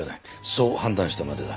そう判断したまでだ。